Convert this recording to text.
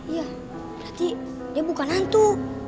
iya berarti dia bukan hantu